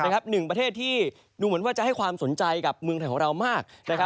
หนึ่งประเทศที่ดูเหมือนว่าจะให้ความสนใจกับเมืองไทยของเรามาก